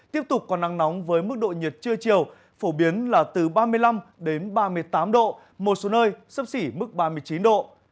tiếp tục có nắng nóng với mức độ nhiệt trưa chiều phổ biến là từ ba mươi năm đến ba mươi tám độ một số nơi sấp xỉ mức ba mươi chín độ